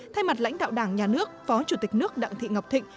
thay mặt lãnh đạo đảng nhà nước phó chủ tịch nước đặng thị ngọc thịnh